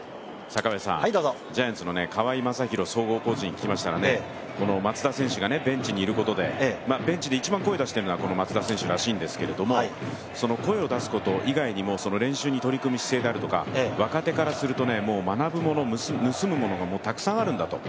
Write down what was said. ジャイアンツの川相昌弘総合コーチに聞きましたら松田選手がベンチにいることでベンチで一番声を出しているのがこの松田選手ですけど、声を出すこと以外にも、練習に取り組む姿勢であるとか、若手からすると学ぶもの、盗むものがたくさんあるんだと。